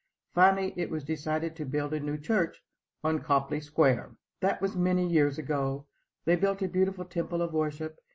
Finally it was decided to build a new church on Copley Square. That was many years ago. They built a beautiful temple of worship.